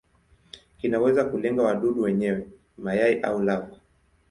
Kinaweza kulenga wadudu wenyewe, mayai au lava.